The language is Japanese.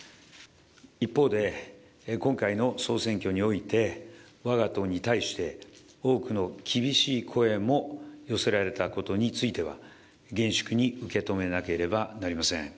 一方で、今回の総選挙において、わが党に対して、多くの厳しい声も寄せられたことについては、厳粛に受け止めなければなりません。